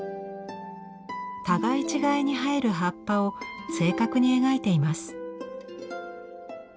互い違いに生える葉っぱを正確に描いています。